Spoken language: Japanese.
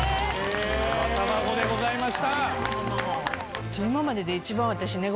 生卵でございました。